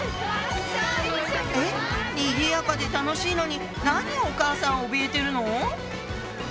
にぎやかで楽しいのに何をお母さんおびえてるの？